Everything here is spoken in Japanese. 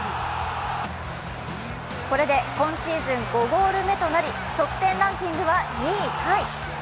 これで今シーズン５ゴール目となり得点ランキングは２位タイ。